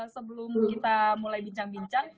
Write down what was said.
sebelum kita mulai bincang bincang